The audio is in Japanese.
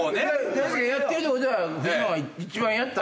大輔がやってるってことは一番やった。